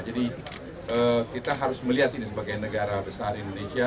jadi kita harus melihat ini sebagai negara besar indonesia